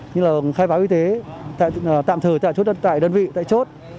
như là khai báo y tế tạm thời tại đơn vị tại chốt